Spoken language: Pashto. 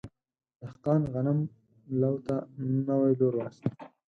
دهقان غنم لو ته نوی لور واخیست.